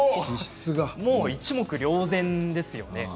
もう一目瞭然ですよね。